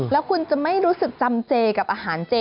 แล้วคุณจะไม่รู้สึกจำเจกับอาหารเจ